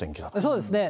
そうですね。